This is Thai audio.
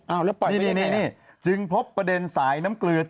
แล้วปล่อยไม่ได้แผลดีนี่จึงพบประเด็นสายน้ำเกลือด